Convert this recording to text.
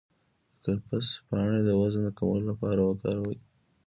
د کرفس پاڼې د وزن د کمولو لپاره وکاروئ